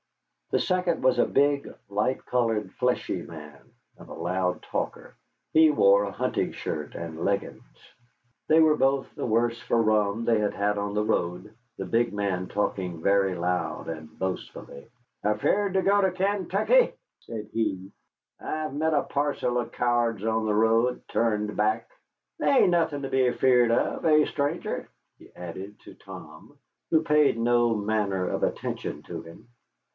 The second was a big, light colored, fleshy man, and a loud talker. He wore a hunting shirt and leggings. They were both the worse for rum they had had on the road, the big man talking very loud and boastfully. "Afeard to go to Kaintuckee!" said he. "I've met a parcel o' cowards on the road, turned back. There ain't nothin' to be afeard of, eh, stranger?" he added, to Tom, who paid no manner of attention to him.